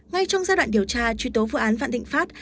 ngay trong giai đoạn điều tra truy tố vụ án phản định phát